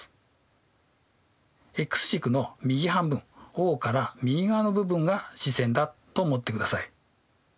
ｘ軸の右半分Ｏから右側の部分が始線だと思ってください。